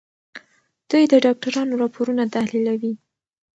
دوی د ډاکټرانو راپورونه تحليلوي.